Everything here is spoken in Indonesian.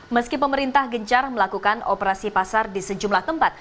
meski pemerintah gencar melakukan operasi pasar di sejumlah tempat